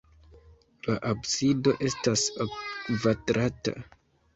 La absido estas ok-kvadrata.